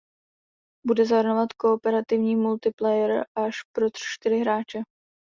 Bude zahrnovat kooperativní multiplayer až pro čtyři hráče.